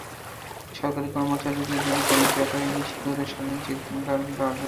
সরকারি কর্মচারীদের জন্য প্রণীত একই আইনে শিক্ষকদের স্বাধীন চিন্তার দরজা চিররুদ্ধ।